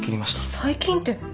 最近って。